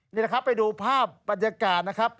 นี่นะครับไปดูภาพบรรยากาศนะครับ